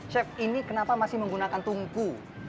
chef ini kenapa masih menggunakan tungku